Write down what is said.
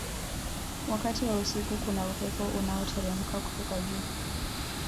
wakati wa usiku kuna upepo unaoteremka kutoka juu